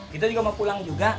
kita juga mau pulang juga